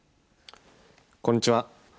こんにちは。